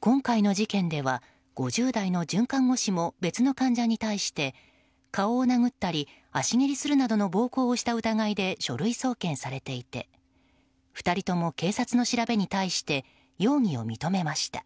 今回の事件では５０代の准看護師も別の患者に対して顔を殴ったり足蹴りするなどの暴行をした疑いで書類送検されていて２人とも警察の調べに対して容疑を認めました。